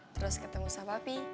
terus ketemu sama papi